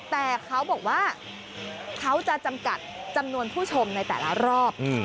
แต่เขาบอกว่าเขาจะจำกัดจำนวนผู้ชมในแต่ละรอบ